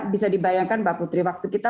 bisa dibayangkan mbak putri waktu kita